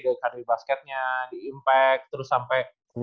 dari karir basketnya di impact terus sampe